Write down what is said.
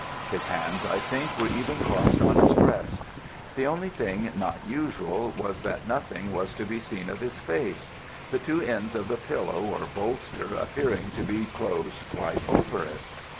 His hands, I think, were even crossed on his breast. The only thing not usual was that nothing was to be seen of his face, the two ends of the pillow or bolster appearing to be closed quite over it.